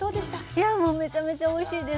いやもうめちゃめちゃおいしいです。